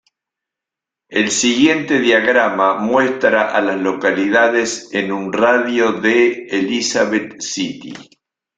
El siguiente diagrama muestra a las localidades en un radio de de Elizabeth City.